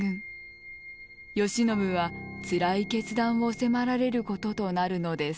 慶喜はつらい決断を迫られることとなるのです。